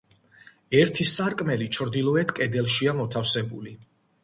ერთი სარკმელი ჩრდილოეთ კედელშია მოთავსებული.